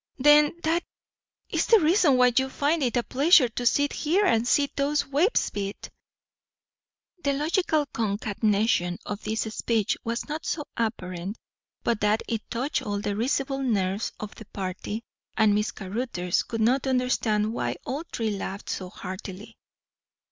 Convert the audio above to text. "Then that is the reason why you find it a pleasure to sit here and see those waves beat." The logical concatenation of this speech was not so apparent but that it touched all the risible nerves of the party; and Miss Caruthers could not understand why all three laughed so heartily.